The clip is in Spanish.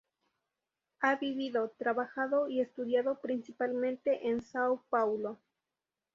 Ha vivido, trabajado y estudiado principalmente en São Paulo.